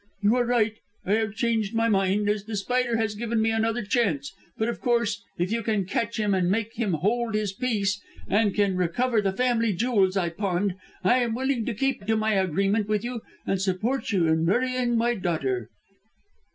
"You are right. I have changed my mind, as The Spider has given me another chance; but, of course, if you can catch him and make him hold his peace and can recover the family jewels I pawned, I am willing to keep to my agreement with you and support you in marrying my daughter."